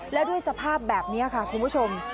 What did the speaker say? แล้วด้วยสภาพแบบนี้ค่ะคุณผู้ชม